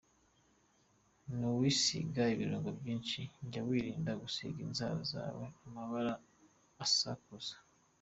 Niwisiga ibirungo byinshi, jya wirinda gusiga inzara zawe amabara asakuza.